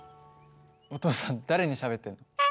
お父さん誰にしゃべってるの？